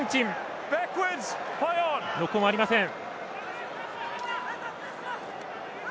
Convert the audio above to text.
ノックオンはありません。